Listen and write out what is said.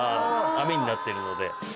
網になってるので。